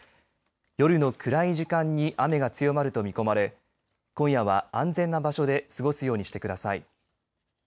夜の暗い時間に雨が強まると見込まれ今夜は安全な場所で過ごすようにしてください。